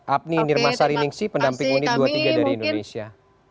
apni nirmasa riningsi pendamping unid dua puluh tiga dari indonesia